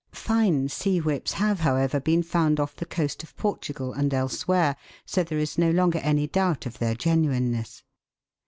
Fine sea whips have, however, been found off the coast A MICROSCOPIC POPULATION. 151 of Portugal and elsewhere, so there is no longer any doubt of their genuineness.